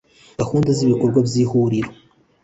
Gahunda z ibikorwa by Ihuriro